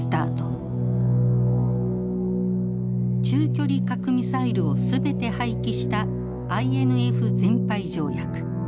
中距離核ミサイルを全て廃棄したＩＮＦ全廃条約。